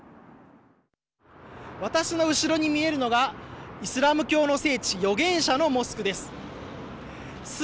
私の後ろに見えるのがイスラム教の聖地預言者のモスクです。